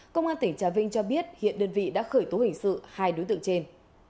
công an tỉnh trà vinh cho biết hiện đơn vị đã khởi tố hình sự hai đối tượng trên